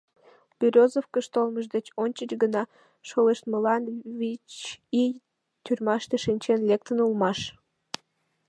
Берёзовкыш толмыж деч ончыч гына шолыштмылан вич ий тюрьмаште шинчен лектын улмаш.